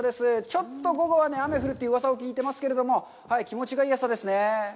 ちょっと午後からは雨が降るといううわさを聞いてますけども、気持ちがいい朝ですね。